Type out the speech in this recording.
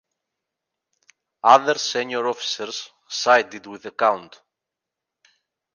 Other senior officers sided with the Count.